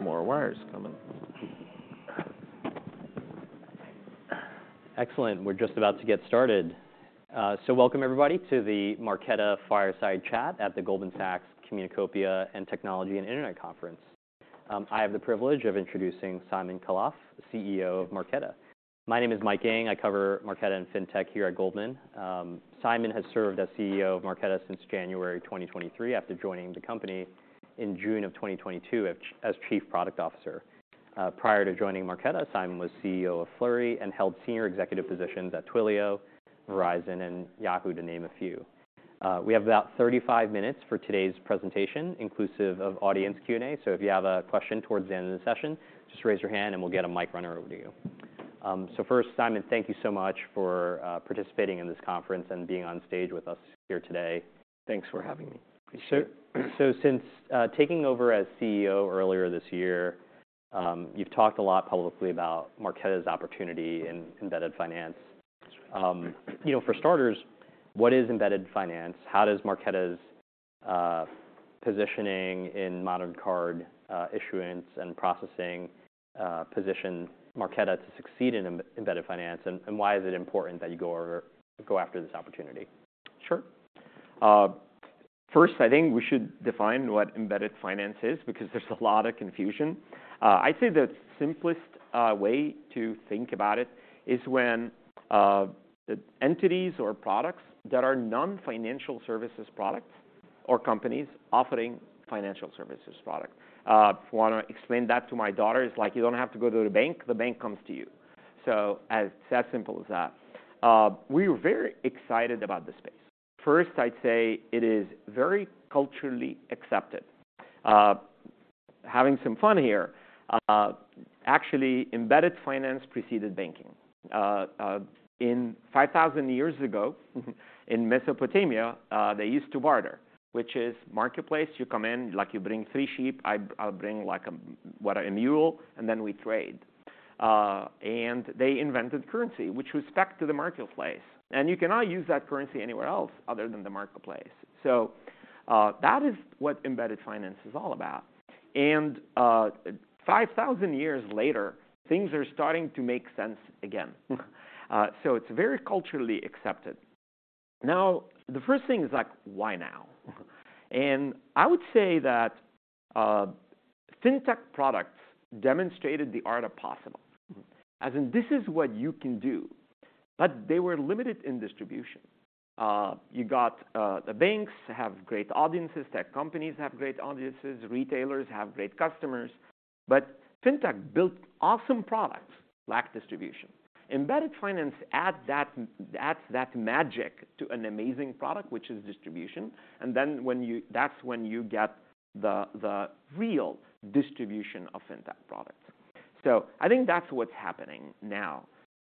So we got more wires coming. Excellent. We're just about to get started. Welcome everybody to the Marqeta Fireside Chat at the Goldman Sachs Communacopia and Technology Conference. I have the privilege of introducing Simon Khalaf, the CEO of Marqeta. My name is Mike Ng. I cover Marqeta and Fintech here at Goldman. Simon has served as CEO of Marqeta since January 2023, after joining the company in June 2022 as Chief Product Officer. Prior to joining Marqeta, Simon was CEO of Flurry and held senior executive positions at Twilio, Verizon, and Yahoo!, to name a few. We have about 35 minutes for today's presentation, inclusive of audience Q&A, so if you have a question towards the end of the session, just raise your hand and we'll get a mic runner over to you. First, Simon, thank you so much for participating in this conference and being on stage with us here today. Thanks for having me, appreciate it. So since taking over as CEO earlier this year, you've talked a lot publicly about Marqeta's opportunity in embedded finance. You know, for starters, what is embedded finance? How does Marqeta's positioning in modern card issuance and processing position Marqeta to succeed in embedded finance, and why is it important that you go or go after this opportunity? Sure. First, I think we should define what embedded finance is, because there's a lot of confusion. I'd say the simplest way to think about it is when entities or products that are non-financial services products or companies offering financial services product. If I wanna explain that to my daughter, it's like you don't have to go to the bank, the bank comes to you. So it's as simple as that. We're very excited about the space. First, I'd say it is very culturally accepted. Having some fun here, actually, embedded finance preceded banking. In 5,000 years ago, in Mesopotamia, they used to barter, which is marketplace. You come in, like, you bring three sheep, I'll bring, like, a mule, and then we trade. They invented currency, which was stuck to the marketplace, and you cannot use that currency anywhere else other than the marketplace. So, that is what embedded finance is all about. 5,000 years later, things are starting to make sense again. So it's very culturally accepted. Now, the first thing is, like, why now? I would say that Fintech products demonstrated the art of possible, as in, this is what you can do. But they were limited in distribution. You got, the banks have great audiences, tech companies have great audiences, retailers have great customers, but Fintech built awesome products, lack distribution. Embedded finance add that, adds that magic to an amazing product, which is distribution, and then when you... That's when you get the, the real distribution of Fintech products. So I think that's what's happening now.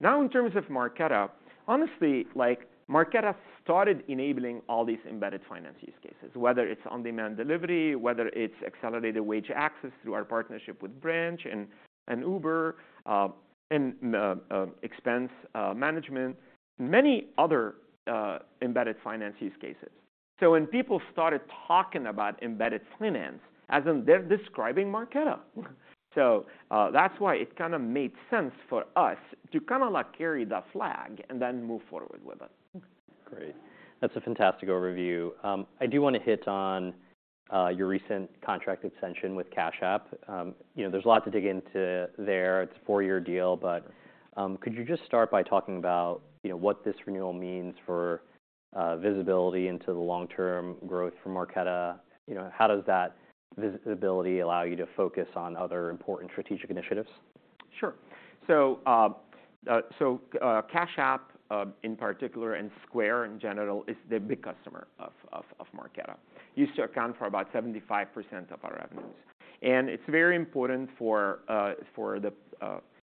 Now, in terms of Marqeta, honestly, like, Marqeta started enabling all these embedded finance use cases, whether it's on-demand delivery, whether it's accelerated wage access through our partnership with Branch and Uber, expense management, many other embedded finance use cases. So when people started talking about embedded finance, as in, they're describing Marqeta. So, that's why it kinda made sense for us to kinda, like, carry the flag and then move forward with it. Great. That's a fantastic overview. I do wanna hit on your recent contract extension with Cash App. You know, there's a lot to dig into there. It's a 4-year deal, but could you just start by talking about, you know, what this renewal means for visibility into the long-term growth for Marqeta? You know, how does that visibility allow you to focus on other important strategic initiatives? Sure. So, Cash App, in particular, and Square in general, is the big customer of Marqeta. It used to account for about 75% of our revenues, and it's very important for the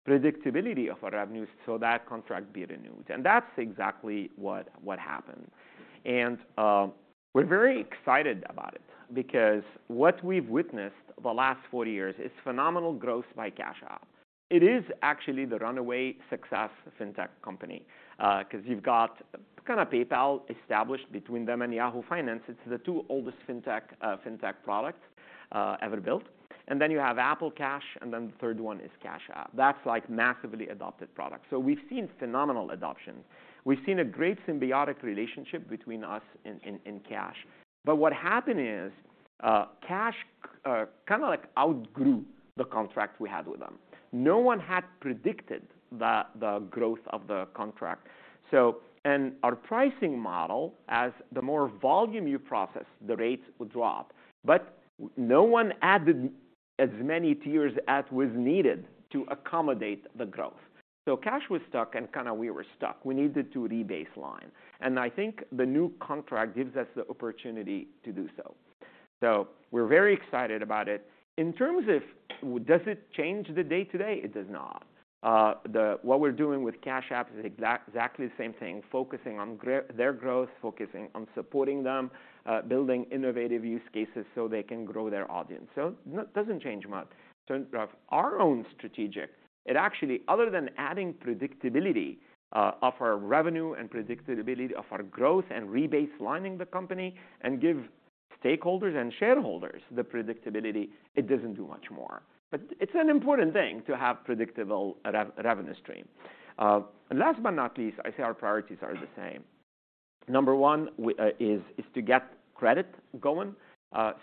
predictability of our revenues, so that contract be renewed, and that's exactly what happened. And, we're very excited about it, because what we've witnessed the last four years is phenomenal growth by Cash App. It is actually the runaway success of Fintech company, 'cause you've got kinda PayPal established between them and Yahoo! Finance. It's the two oldest Fintech product ever built. And then you have Apple Cash, and then the third one is Cash App. That's like massively adopted product. So we've seen phenomenal adoption. We've seen a great symbiotic relationship between us and Cash. But what happened is, Cash App kinda like outgrew the contract we had with them. No one had predicted the growth of the contract, so... Our pricing model, as the more volume you process, the rates will drop. But no one added as many tiers as was needed to accommodate the growth. So Cash App was stuck, and kinda we were stuck. We needed to re-baseline, and I think the new contract gives us the opportunity to do so. So we're very excited about it. In terms of, well, does it change the day-to-day? It does not. What we're doing with Cash App is exactly the same thing, focusing on their growth, focusing on supporting them, building innovative use cases so they can grow their audience. So doesn't change much. one of our own strategic, it actually, other than adding predictability of our revenue and predictability of our growth and rebaselining the company and give stakeholders and shareholders the predictability, it doesn't do much more. But it's an important thing to have predictable revenue stream. And last but not least, I say our priorities are the same. Number one, we is to get credit going,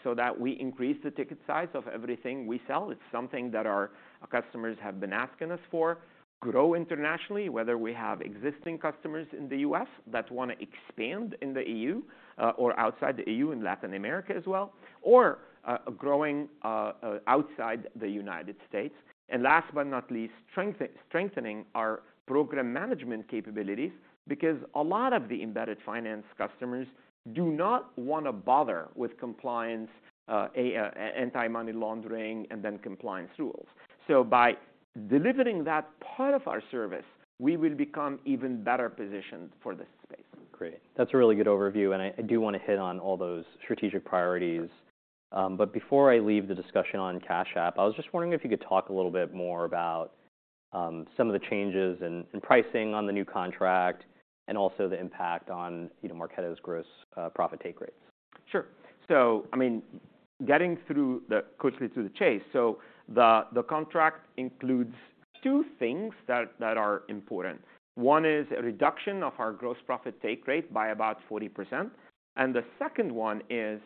so that we increase the ticket size of everything we sell. It's something that our customers have been asking us for. Grow internationally, whether we have existing customers in the U.S. that wanna expand in the E.U., or outside the E.U., in Latin America as well, or growing outside the United States. Last but not least, strengthening our program management capabilities, because a lot of the embedded finance customers do not wanna bother with compliance, anti-money laundering, and then compliance rules. So by delivering that part of our service, we will become even better positioned for this space. Great. That's a really good overview, and I do wanna hit on all those strategic priorities. But before I leave the discussion on Cash App, I was just wondering if you could talk a little bit more about some of the changes in pricing on the new contract, and also the impact on, you know, Marqeta's gross profit take rates. Sure. So I mean, getting through the--quickly to the chase, so the contract includes two things that are important. One is a reduction of our gross profit take rate by about 40%, and the second one is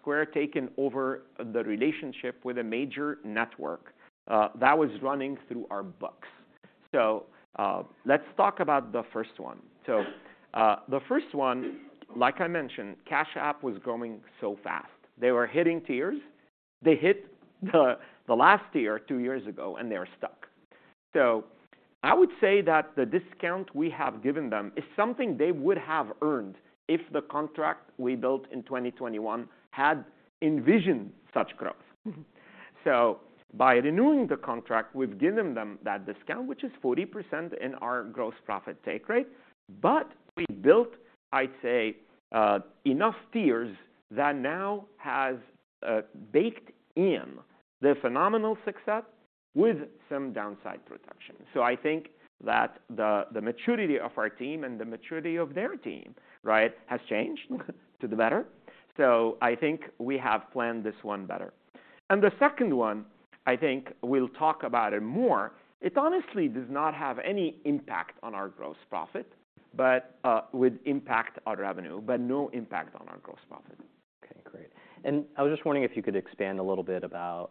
Square taking over the relationship with a major network that was running through our books. So, let's talk about the first one. So, the first one, like I mentioned, Cash App was growing so fast. They were hitting tiers. They hit the last tier two years ago, and they are stuck. So I would say that the discount we have given them is something they would have earned if the contract we built in 2021 had envisioned such growth. So by renewing the contract, we've given them that discount, which is 40% in our gross profit take rate, but we built, I'd say, enough tiers that now has baked in the phenomenal success with some downside protection. So I think that the, the maturity of our team and the maturity of their team, right, has changed to the better. So I think we have planned this one better. And the second one, I think we'll talk about it more. It honestly does not have any impact on our gross profit, but would impact our revenue, but no impact on our gross profit. Okay, great. And I was just wondering if you could expand a little bit about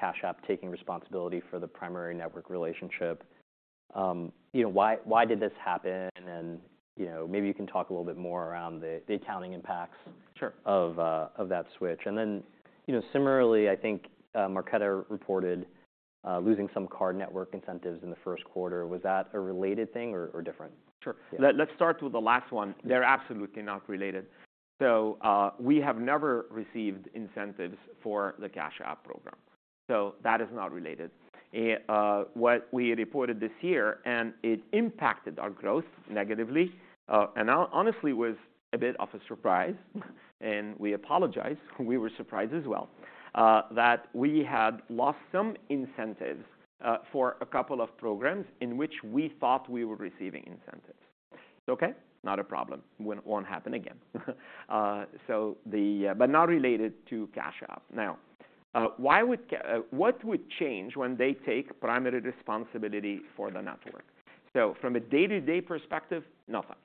Cash App taking responsibility for the primary network relationship. You know, why did this happen? And, you know, maybe you can talk a little bit more around the accounting impacts- Sure... of that switch. And then, you know, similarly, I think, Marqeta reported losing some card network incentives in the Q1. Was that a related thing or different? Sure. Yeah. Let's start with the last one. They're absolutely not related. So, we have never received incentives for the Cash App program, so that is not related. What we reported this year, and it impacted our growth negatively, and honestly, was a bit of a surprise, and we apologize. We were surprised as well, that we had lost some incentives, for a couple of programs in which we thought we were receiving incentives. It's okay, not a problem. Won't happen again. So the... but not related to Cash App. Now, why would Cash App... what would change when they take primary responsibility for the network? So from a day-to-day perspective, nothing,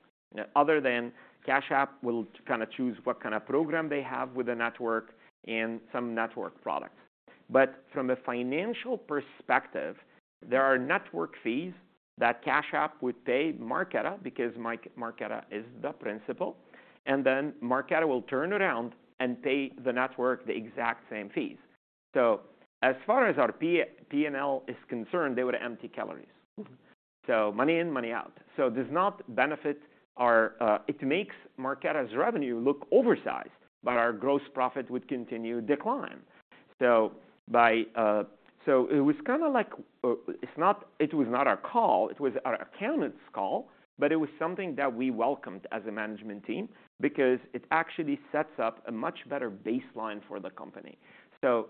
other than Cash App will kinda choose what kinda program they have with the network and some network products. But from a financial perspective, there are network fees that Cash App would pay Marqeta, because Marqeta is the principal, and then Marqeta will turn around and pay the network the exact same fees. So as far as our P&L is concerned, they were empty calories. So money in, money out, so it does not benefit our. It makes Marqeta's revenue look oversized, but our gross profit would continue to decline. So it was kinda like, it was not our call, it was our accountant's call, but it was something that we welcomed as a management team because it actually sets up a much better baseline for the company. So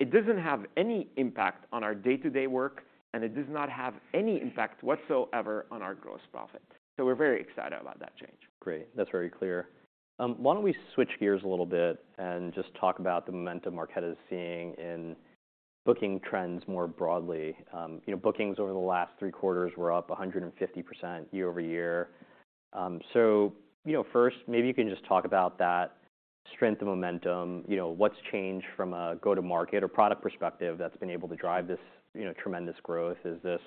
it doesn't have any impact on our day-to-day work, and it does not have any impact whatsoever on our gross profit. So we're very excited about that change. Great. That's very clear. Why don't we switch gears a little bit and just talk about the momentum Marqeta is seeing in booking trends more broadly. You know, bookings over the last three quarters were up 150% year-over-year. So, you know, first, maybe you can just talk about that strength and momentum. You know, what's changed from a go-to-market or product perspective that's been able to drive this, you know, tremendous growth? Is this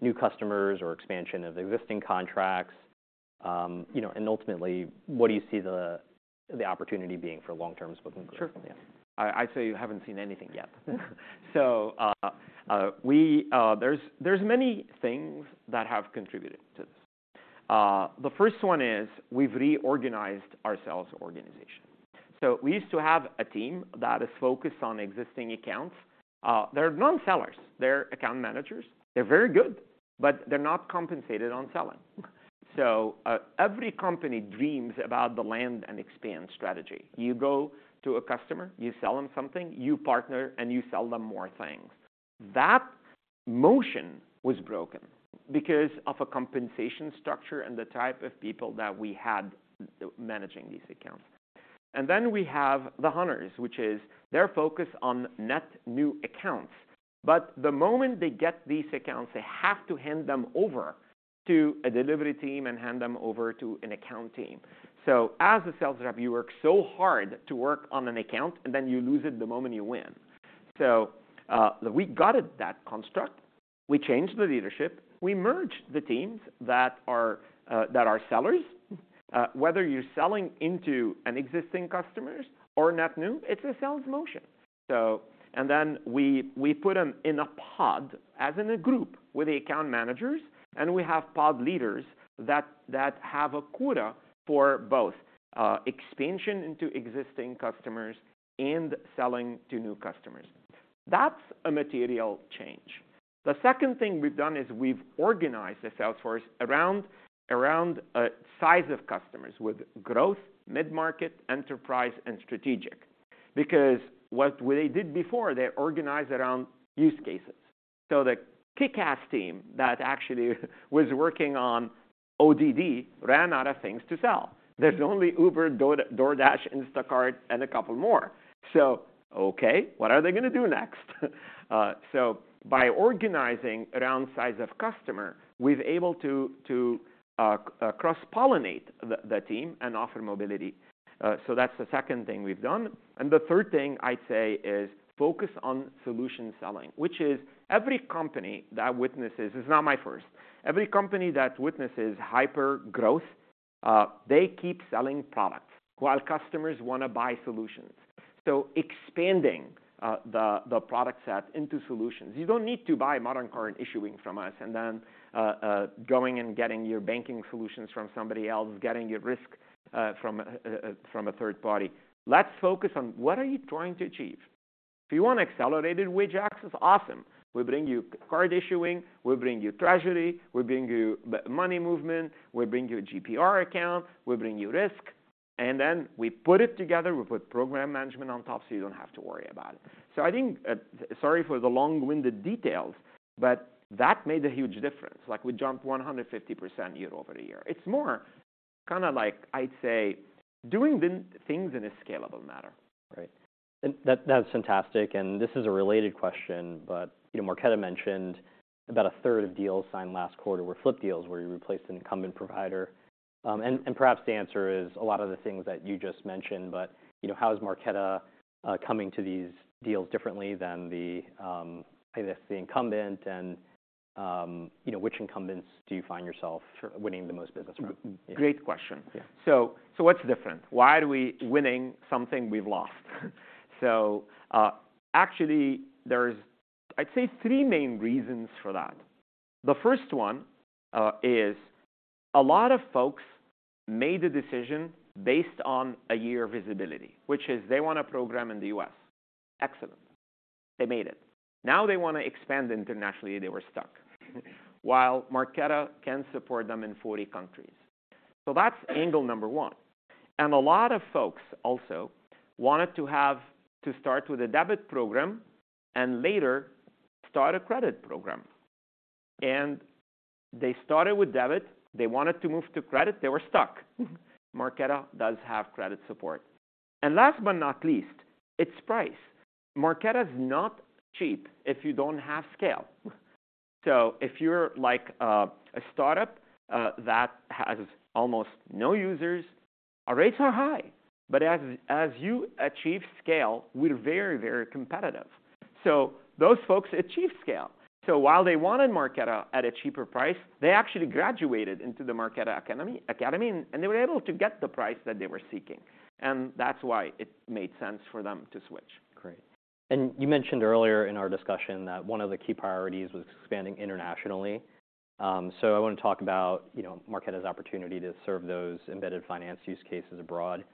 new customers or expansion of existing contracts? You know, and ultimately, what do you see the, the opportunity being for long-term booking growth? Sure. Yeah. I'd say you haven't seen anything yet. So, we, there's, there's many things that have contributed to this. The first one is we've reorganized our sales organization. So we used to have a team that is focused on existing accounts. They're non-sellers, they're account managers. They're very good, but they're not compensated on selling. So, every company dreams about the land and expand strategy. You go to a customer, you sell them something, you partner, and you sell them more things. That motion was broken because of a compensation structure and the type of people that we had managing these accounts. And then we have the hunters, which is their focus on net new accounts, but the moment they get these accounts, they have to hand them over to a delivery team and hand them over to an account team. So as a sales rep, you work so hard to work on an account, and then you lose it the moment you win. So, we gutted that construct, we changed the leadership, we merged the teams that are sellers. Whether you're selling into an existing customers or net new, it's a sales motion. So and then we put them in a pod, as in a group, with the account managers, and we have pod leaders that have a quota for both, expansion into existing customers and selling to new customers. That's a material change. The second thing we've done is we've organized the sales force around size of customers with growth, mid-market, enterprise, and strategic. Because what they did before, they organized around use cases. So the kick-ass team that actually was working on ODD ran out of things to sell. There's only Uber, DoorDash, Instacart, and a couple more. So okay, what are they going to do next? By organizing around size of customer, we've able to cross-pollinate the team and offer mobility. That's the second thing we've done. And the third thing I'd say is focus on solution selling, which is every company that witnesses... It's not my first. Every company that witnesses hyper growth, they keep selling products while customers want to buy solutions. So expanding the product set into solutions. You don't need to buy modern card issuing from us and then going and getting your banking solutions from somebody else, getting your risk from a third party. Let's focus on what are you trying to achieve? If you want accelerated wage access, awesome. We bring you card issuing, we bring you treasury, we bring you money movement, we bring you a GPR account, we bring you risk, and then we put it together, we put program management on top so you don't have to worry about it. So I think... Sorry for the long-winded details, but that made a huge difference. Like, we jumped 150% year-over-year. It's more kinda like, I'd say, doing the things in a scalable manner. Right. And that, that's fantastic, and this is a related question, but, you know, Marqeta mentioned about a third of deals signed last quarter were flip deals, where you replaced an incumbent provider. And perhaps the answer is a lot of the things that you just mentioned, but, you know, how is Marqeta coming to these deals differently than the, I guess, the incumbent and, you know, which incumbents do you find yourself winning the most business from? Great question. Yeah. So, what's different? Why do we winning something we've lost? So, actually, there's, I'd say, three main reasons for that. The first one is a lot of folks made the decision based on a year of visibility, which is they want a program in the U.S. Excellent. They made it. Now, they want to expand internationally, they were stuck. While Marqeta can support them in 40 countries. So that's angle number one. And a lot of folks also wanted to have to start with a debit program and later start a credit program, and they started with debit, they wanted to move to credit, they were stuck. Marqeta does have credit support. And last but not least, it's price. Marqeta is not cheap if you don't have scale. So if you're like, a startup, that has almost no users, our rates are high. But as you achieve scale, we're very, very competitive. So those folks achieve scale. So while they wanted Marqeta at a cheaper price, they actually graduated into the Marqeta Academy, and they were able to get the price that they were seeking. And that's why it made sense for them to switch. Great. You mentioned earlier in our discussion that one of the key priorities was expanding internationally. So I want to talk about, you know, Marqeta's opportunity to serve those embedded finance use cases abroad.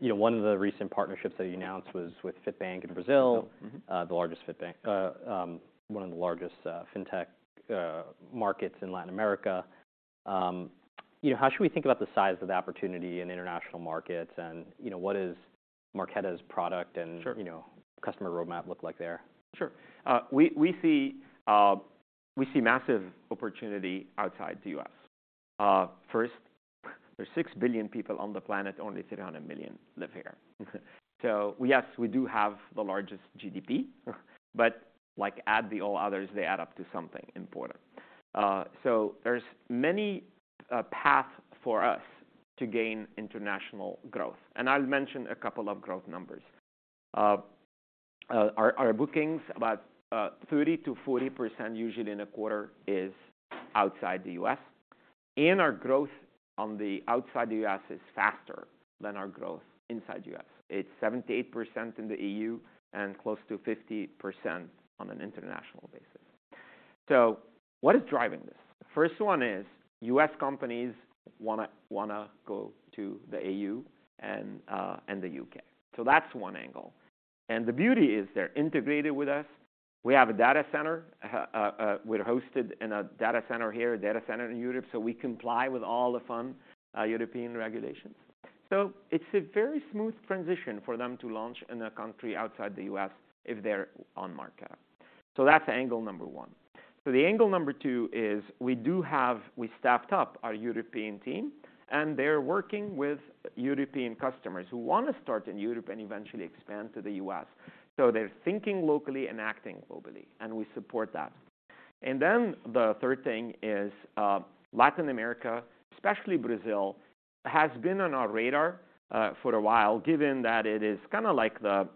You know, one of the recent partnerships that you announced was with Fitbank in Brazil. Mm-hmm. The largest Fitbank... one of the largest fintech markets in Latin America. You know, how should we think about the size of the opportunity in international markets and, you know, what is Marqeta's product and- Sure... you know, customer roadmap look like there? Sure. We see massive opportunity outside the U.S. First, there's 6 billion people on the planet, only 300 million live here. So yes, we do have the largest GDP, but like add all the others, they add up to something important. So there's many paths for us to gain international growth, and I'll mention a couple of growth numbers. Our bookings, about 30%-40% usually in a quarter, is outside the U.S. And our growth outside the U.S. is faster than our growth inside U.S. It's 78% in the EU and close to 50% on an international basis. So what is driving this? The first one is U.S. companies wanna go to the EU and the U.K. So that's one angle. The beauty is they're integrated with us. We have a data center, we're hosted in a data center here, a data center in Europe, so we comply with all the fun, European regulations. So it's a very smooth transition for them to launch in a country outside the U.S. if they're on Marqeta. So that's angle number one. So the angle number two is, we do have, we staffed up our European team, and they're working with European customers who want to start in Europe and eventually expand to the U.S. So they're thinking locally and acting globally, and we support that. And then the third thing is, Latin America, especially Brazil, has been on our radar, for a while, given that it is kind of like the...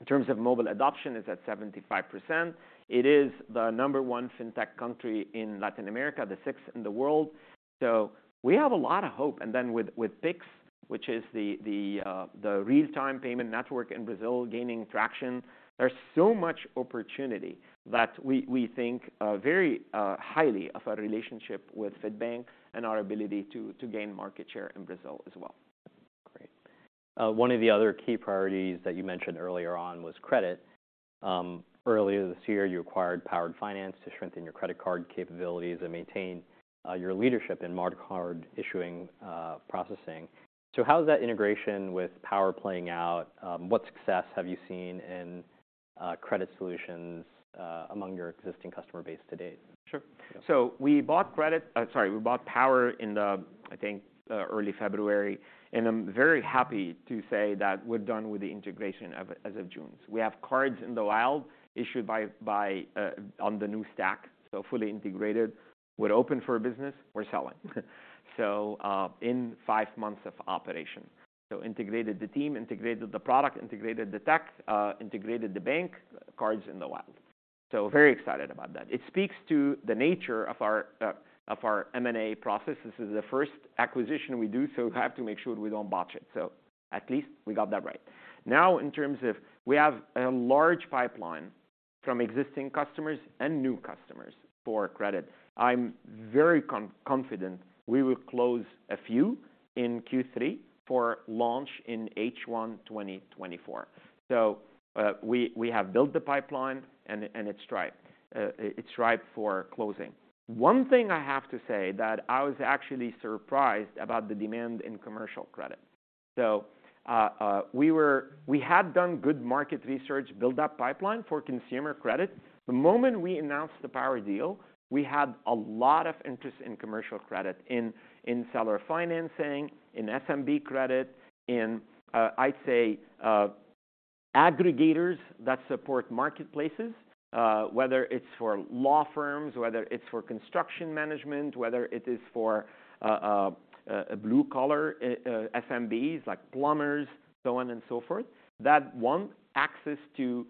In terms of mobile adoption, it's at 75%. It is the number 1 fintech country in Latin America, the sixth in the world. So we have a lot of hope. And then with Pix, which is the real-time payment network in Brazil gaining traction, there's so much opportunity that we think very highly of our relationship with Fitbank and our ability to gain market share in Brazil as well. Great. One of the other key priorities that you mentioned earlier on was credit. Earlier this year, you acquired Powere Finance to strengthen your credit card capabilities and maintain your leadership in smart card issuing processing. So how is that integration with Power playing out? What success have you seen in credit solutions among your existing customer base to date? Sure. Yeah. So we bought Power in the, I think, early February, and I'm very happy to say that we're done with the integration of it as of June. We have cards in the wild, issued by, by, on the new stack, so fully integrated. We're open for business, we're selling. So, in five months of operation. So integrated the team, integrated the product, integrated the tech, integrated the bank, cards in the wild. So very excited about that. It speaks to the nature of our, of our M&A process. This is the first acquisition we do, so we have to make sure we don't botch it. So at least we got that right. Now, in terms of... We have a large pipeline from existing customers and new customers for credit. I'm very confident we will close a few in Q3 for launch in H1 2024. So, we have built the pipeline and it's ripe. It's ripe for closing. One thing I have to say, that I was actually surprised about the demand in commercial credit. So, we had done good market research, built that pipeline for consumer credit. The moment we announced the Power deal, we had a lot of interest in commercial credit, in seller financing, in SMB credit, in, I'd say, aggregators that support marketplaces. whether it's for law firms, whether it's for construction management, whether it is for blue collar SMBs, like plumbers, so on and so forth, that want access to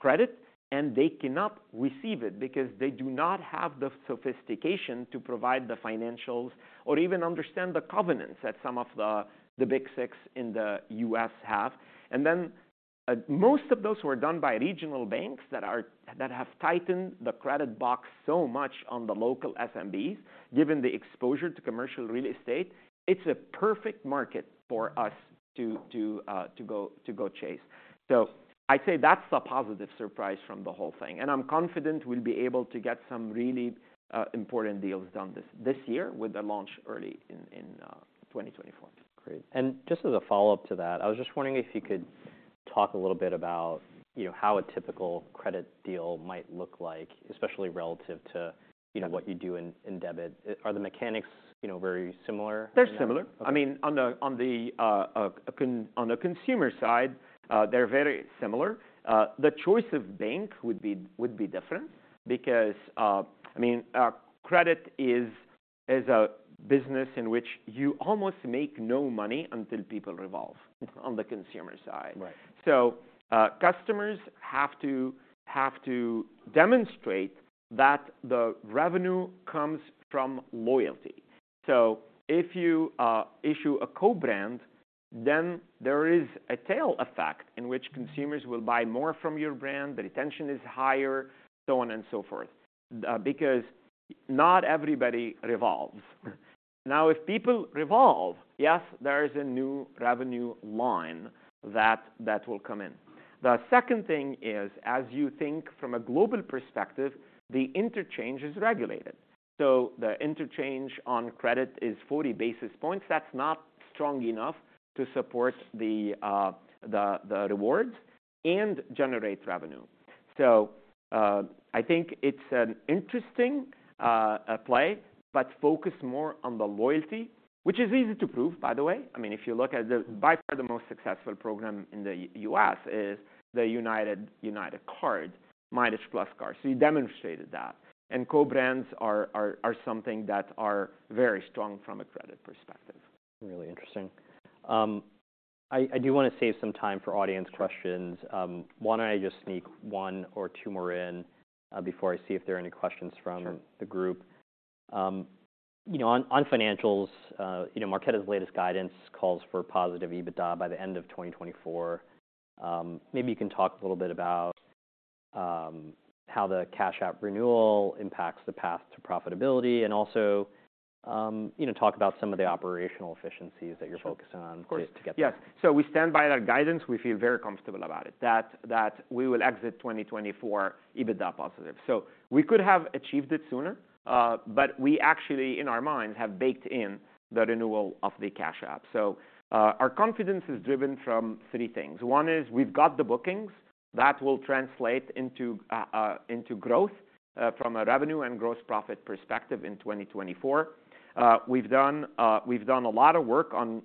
credit, and they cannot receive it because they do not have the sophistication to provide the financials or even understand the covenants that some of the Big Six in the U.S. have. And then most of those were done by regional banks that have tightened the credit box so much on the local SMBs, given the exposure to commercial real estate. It's a perfect market for us to go chase. So I'd say that's the positive surprise from the whole thing, and I'm confident we'll be able to get some really important deals done this year, with the launch early in 2024. Great. Just as a follow-up to that, I was just wondering if you could talk a little bit about, you know, how a typical credit deal might look like, especially relative to, you know- Yeah... what you do in debit. Are the mechanics, you know, very similar? They're similar. Okay. I mean, on the consumer side, they're very similar. The choice of bank would be different because, I mean, credit is a business in which you almost make no money until people revolve, on the consumer side. Right. So, customers have to demonstrate that the revenue comes from loyalty. So if you issue a co-brand, then there is a tail effect in which consumers will buy more from your brand, the retention is higher, so on and so forth, because not everybody revolves. Now, if people revolve, yes, there is a new revenue line that will come in. The second thing is, as you think from a global perspective, the interchange is regulated. So the interchange on credit is 40 basis points. That's not strong enough to support the rewards and generate revenue. So, I think it's an interesting play, but focus more on the loyalty, which is easy to prove, by the way. I mean, if you look at by far the most successful program in the U.S. is the United card, MileagePlus card. So you demonstrated that, and co-brands are something that are very strong from a credit perspective. Really interesting. I do want to save some time for audience questions. Sure. Why don't I just sneak one or two more in, before I see if there are any questions from- Sure... the group? You know, on financials, you know, Marqeta's latest guidance calls for positive EBITDA by the end of 2024. Maybe you can talk a little bit about how the Cash App renewal impacts the path to profitability, and also... you know, talk about some of the operational efficiencies that you're focusing on- Sure. Of course. to get there. Yes. So we stand by our guidance. We feel very comfortable about it, that we will exit 2024 EBITDA positive. So we could have achieved it sooner, but we actually, in our minds, have baked in the renewal of the Cash App. So our confidence is driven from three things. One is we've got the bookings. That will translate into growth from a revenue and gross profit perspective in 2024. We've done a lot of work on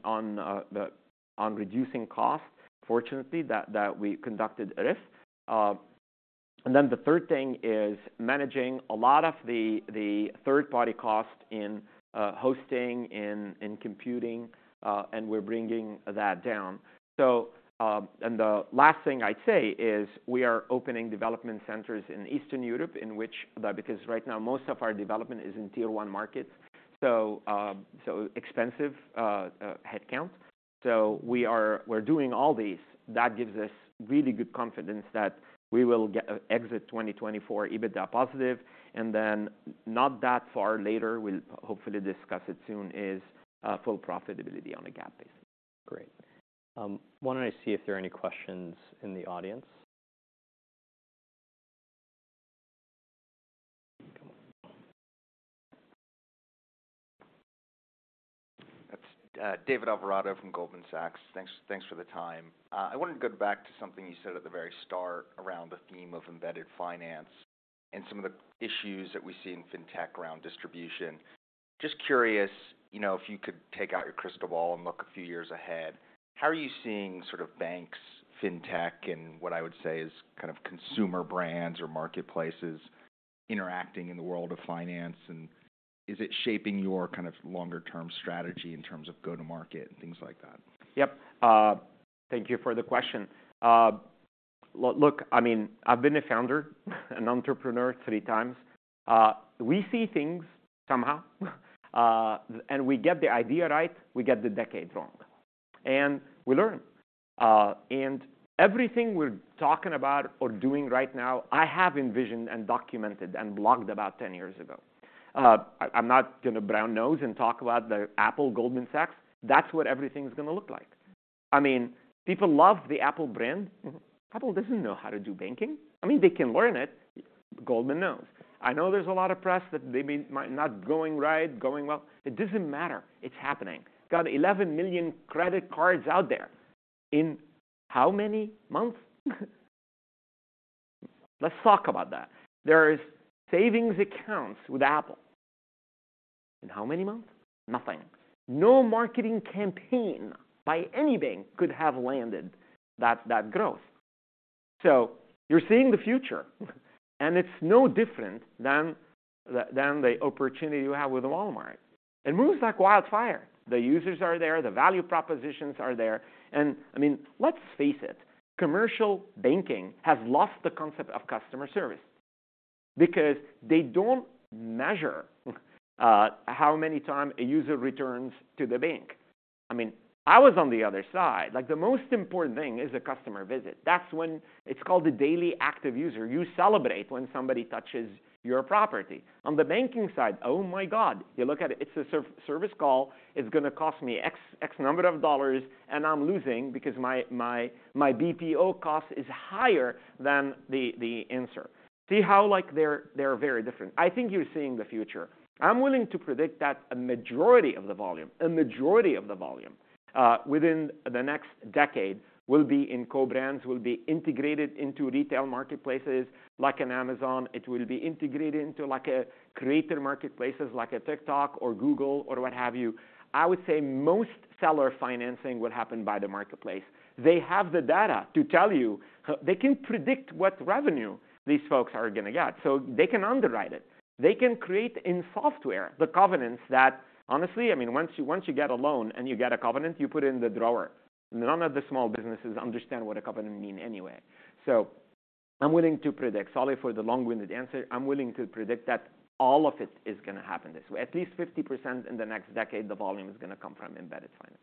reducing costs. Fortunately, that we conducted RIF. And then the third thing is managing a lot of the third-party cost in hosting, in computing, and we're bringing that down. So... The last thing I'd say is we are opening development centers in Eastern Europe, in which, because right now most of our development is in tier one markets, so, so expensive, head count. So we're doing all these. That gives us really good confidence that we will get, exit 2024 EBITDA positive, and then not that far later, we'll hopefully discuss it soon, is, full profitability on a GAAP basis. Great. Why don't I see if there are any questions in the audience? It's David Alvarado from Goldman Sachs. Thanks, thanks for the time. I wanted to go back to something you said at the very start around the theme of embedded finance and some of the issues that we see in fintech around distribution. Just curious, you know, if you could take out your crystal ball and look a few years ahead, how are you seeing sort of banks, fintech, and what I would say is kind of consumer brands or marketplaces interacting in the world of finance? And is it shaping your kind of longer term strategy in terms of go-to-market and things like that? Yep. Thank you for the question. Look, I mean, I've been a founder, an entrepreneur three times. We see things somehow, and we get the idea right, we get the decade wrong, and we learn. Everything we're talking about or doing right now, I have envisioned and documented and blogged about 10 years ago. I'm not gonna brown-nose and talk about Apple, Goldman Sachs. That's what everything's gonna look like. I mean, people love the Apple brand. Apple doesn't know how to do banking. I mean, they can learn it. Goldman knows. I know there's a lot of press that they might not be going right, going well. It doesn't matter. It's happening. Got 11 million credit cards out there, in how many months? Let's talk about that. There's savings accounts with Apple. In how many months? Nothing. No marketing campaign by any bank could have landed that growth. So you're seeing the future, and it's no different than the opportunity you have with Walmart. It moves like wildfire. The users are there, the value propositions are there. And I mean, let's face it, commercial banking has lost the concept of customer service because they don't measure how many times a user returns to the bank. I mean, I was on the other side. Like, the most important thing is a customer visit. That's when... It's called a daily active user. You celebrate when somebody touches your property. On the banking side, oh my God, you look at it, it's a service call. It's gonna cost me X, X number of dollars, and I'm losing because my BPO cost is higher than the answer. See how, like, they're, they're very different? I think you're seeing the future. I'm willing to predict that a majority of the volume, a majority of the volume, within the next decade, will be in co-brands, will be integrated into retail marketplaces, like an Amazon. It will be integrated into, like, a creator marketplaces, like a TikTok or Google or what have you. I would say most seller financing would happen by the marketplace. They have the data to tell you, they can predict what revenue these folks are gonna get, so they can underwrite it. They can create in software the covenants that, honestly, I mean, once you, once you get a loan and you get a covenant, you put it in the drawer. None of the small businesses understand what a covenant mean anyway. So I'm willing to predict. Sorry for the long-winded answer. I'm willing to predict that all of it is gonna happen this way. At least 50% in the next decade, the volume is gonna come from embedded finance.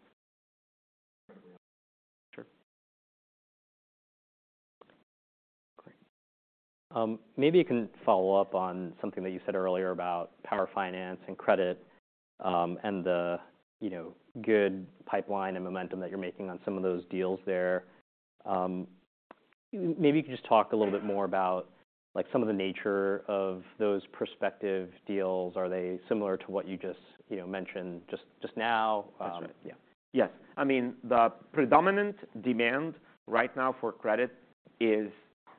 Sure. Great. Maybe you can follow up on something that you said earlier about Power Finance and credit, and the, you know, good pipeline and momentum that you're making on some of those deals there. Maybe you can just talk a little bit more about, like, some of the nature of those prospective deals. Are they similar to what you just, you know, mentioned just now? That's right. Yeah. Yes. I mean, the predominant demand right now for credit is,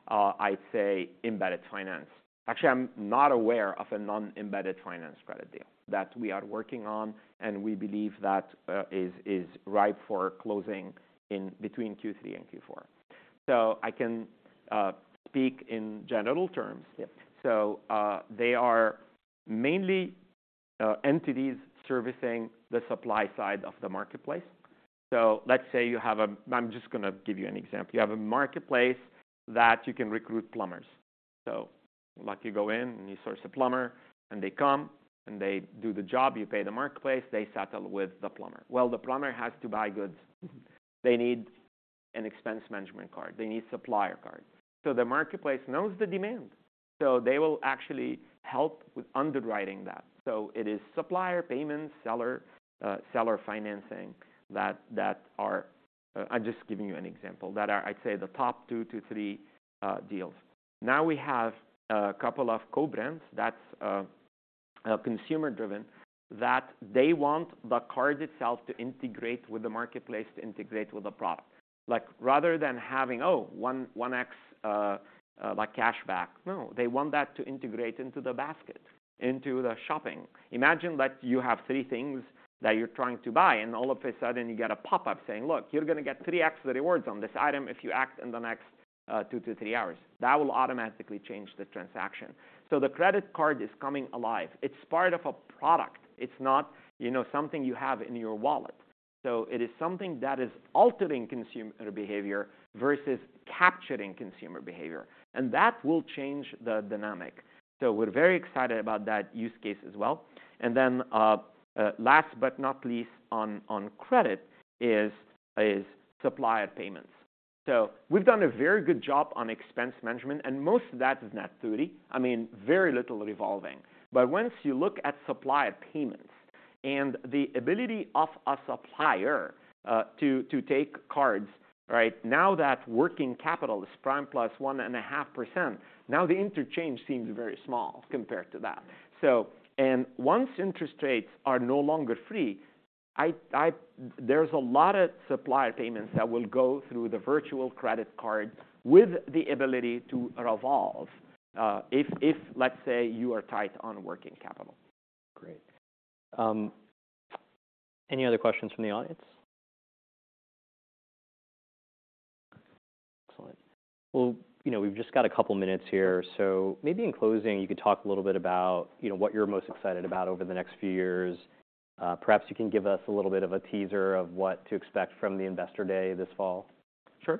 I'd say, embedded finance. Actually, I'm not aware of a non-embedded finance credit deal that we are working on, and we believe that is ripe for closing in between Q3 and Q4. So I can speak in general terms. Yeah. So, they are mainly entities servicing the supply side of the marketplace. So let's say you have a... I'm just gonna give you an example. You have a marketplace that you can recruit plumbers. So, like, you go in and you source a plumber, and they come, and they do the job, you pay the marketplace, they settle with the plumber. Well, the plumber has to buy goods. They need-... an expense management card. They need supplier cards. So the marketplace knows the demand, so they will actually help with underwriting that. So it is supplier payments, seller, seller financing that, that are-- I'm just giving you an example, that are, I'd say, the top two to three deals. Now we have a couple of co-brands that's, consumer-driven, that they want the card itself to integrate with the marketplace, to integrate with the product. Like, rather than having one, 1x like cashback. No, they want that to integrate into the basket, into the shopping. Imagine that you have three things that you're trying to buy, and all of a sudden you get a pop-up saying, "Look, you're going to get 3x the rewards on this item if you act in the next 2-3 hours." That will automatically change the transaction. So the credit card is coming alive. It's part of a product. It's not, you know, something you have in your wallet. So it is something that is altering consumer behavior versus capturing consumer behavior, and that will change the dynamic. So we're very excited about that use case as well. And then last but not least, on credit is supplier payments. So we've done a very good job on expense management, and most of that is net 30. I mean, very little revolving. But once you look at supplier payments and the ability of a supplier to take cards, right? Now that working capital is prime +1.5%, now the interchange seems very small compared to that. So... And once interest rates are no longer free, there's a lot of supplier payments that will go through the virtual credit card with the ability to revolve, if, let's say, you are tight on working capital. Great. Any other questions from the audience? Excellent. Well, you know, we've just got a couple of minutes here, so maybe in closing, you could talk a little bit about, you know, what you're most excited about over the next few years. Perhaps you can give us a little bit of a teaser of what to expect from the Investor Day this fall. Sure.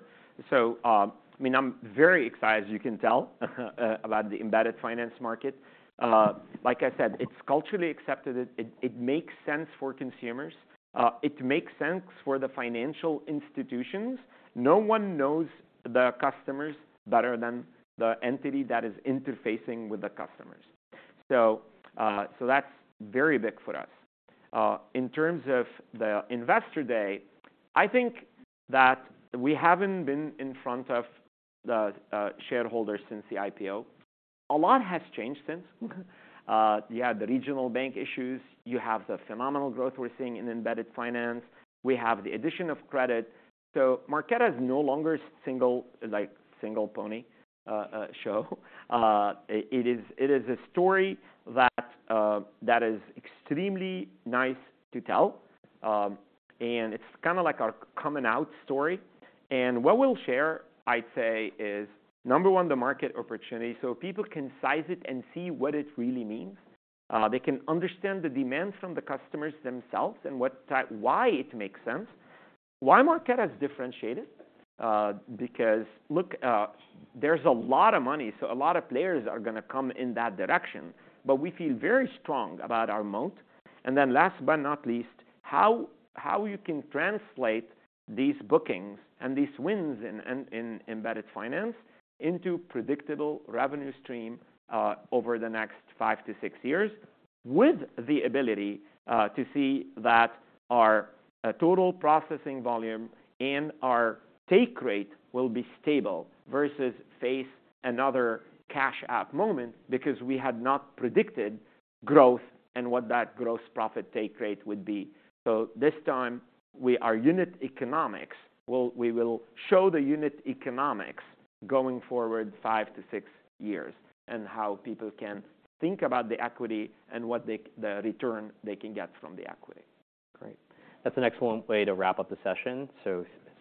So, I mean, I'm very excited, as you can tell, about the embedded finance market. Like I said, it's culturally accepted, it makes sense for consumers, it makes sense for the financial institutions. No one knows the customers better than the entity that is interfacing with the customers. So, that's very big for us. In terms of the Investor Day, I think that we haven't been in front of the shareholders since the IPO. A lot has changed since. You had the regional bank issues, you have the phenomenal growth we're seeing in embedded finance, we have the addition of credit. So Marqeta is no longer single, like, single pony show. It is a story that is extremely nice to tell, and it's kind of like our coming out story. What we'll share, I'd say, is, number one, the market opportunity, so people can size it and see what it really means. They can understand the demands from the customers themselves and why it makes sense, why Marqeta is differentiated. Because look, there's a lot of money, so a lot of players are going to come in that direction, but we feel very strong about our moat. And then last but not least, how you can translate these bookings and these wins in embedded finance into predictable revenue stream over the next five to six years, with the ability to see that our total processing volume and our take rate will be stable versus face another Cash App moment, because we had not predicted growth and what that gross profit take rate would be. So this time, our unit economics will show the unit economics going forward five to six years, and how people can think about the equity and what they, the return they can get from the equity. Great. That's an excellent way to wrap up the session.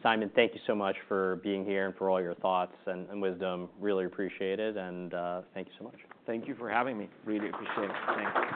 So Simon, thank you so much for being here and for all your thoughts and wisdom. Really appreciate it, and thank you so much. Thank you for having me. Really appreciate it. Thank you.